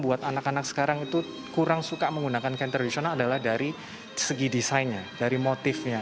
buat anak anak sekarang itu kurang suka menggunakan kain tradisional adalah dari segi desainnya dari motifnya